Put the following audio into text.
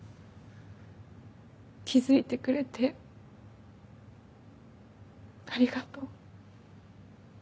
気付いてくれてありがとう。